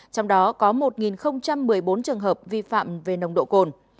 trong đó có một một mươi bốn trường hợp vi phạm về nồng độ cồn